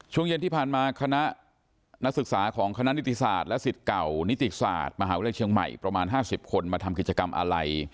ช่วงเย็นที่ผ่านมาคณะนักศึกษาของคณะนิติศาสตร์และสิทธิ์เก่านิติศาสตร์มหาวิทยาลัยเชียงใหม่ประมาณ๕๐คนมาทำกิจกรรมอะไร